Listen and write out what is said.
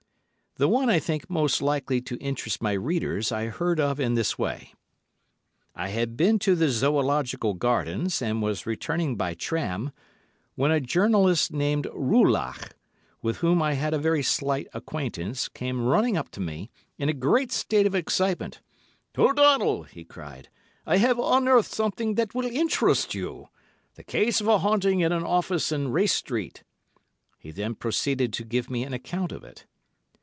The one I think most likely to interest my readers I heard of in this way. I had been to the Zoological Gardens, and was returning by tram, when a journalist called Rouillac, with whom I had a very slight acquaintance, came running up to me in a great state of excitement. "O'Donnell," he cried, "I have unearthed something that will interest you—the case of a haunting in an office in Race Street." He then proceeded to give me an account of it.